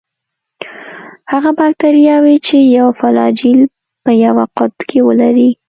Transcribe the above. هغه باکتریاوې چې یو فلاجیل په یوه قطب کې ولري.